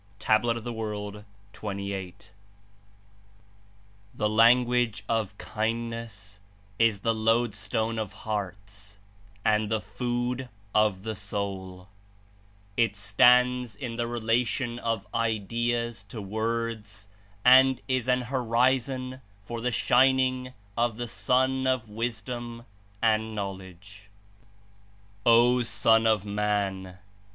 (Tab. of JForld. 28.) "The language of kindness is the lodestone of hearts and the food of the soul; it stands in the re lation of ideas to words and is an horizon for the shining of the sun of Wisdom and Knowledge." "O Son of Man!